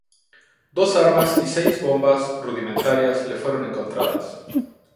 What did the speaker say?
Dos armas y seis bombas rudimentarias le fueron encontradas.